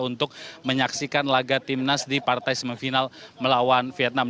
untuk menyaksikan laga timnas di partai semifinal melawan vietnam